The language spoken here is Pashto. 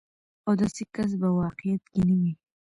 او داسې کس په واقعيت کې نه وي.